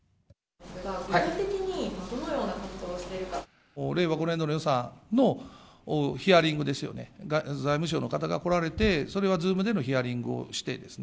具体的にどのような活動をし令和５年度の予算のヒアリングですよね、財務省の方が来られて、それはズームでのヒアリングをしてですね。